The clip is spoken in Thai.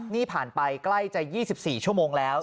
นี่ผ่านไปใกล้จะ๒๔ชั่วโมงแล้ว